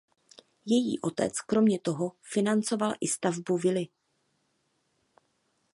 Její otec kromě toho financoval i stavbu vily.